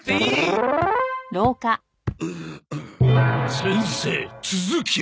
先生続きを。